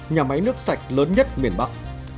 nhà máy nước sạch lớn nhất miền tây